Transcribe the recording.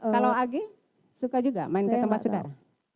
kalau ag suka juga main ke tempat saudara